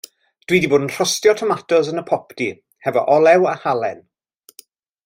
Dw i 'di bod yn rhostio tomatos yn y popdy efo olew a halen.